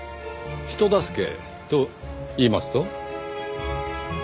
人助けといいますと？